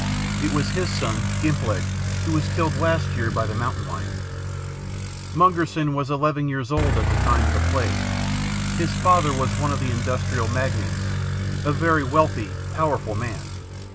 It was his son, Gimp Leg, who was killed last year by the mountain lion. "Mungerson was eleven years old at the time of the plague. His father was one of the Industrial Magnates, a very wealthy, powerful man.